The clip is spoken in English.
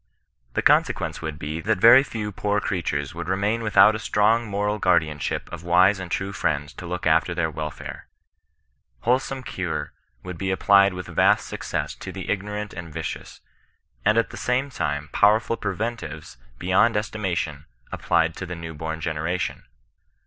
The consequ^ice would be, that very few poor creatures would remain without a strong moral guardianship of wise and true friends to look after their welfare. Wholesome <;ure would be ap plied with vast success to the ignorant and vicious, and at the same time powerful preventives beyond estknatioii applied to the new born gena:ation.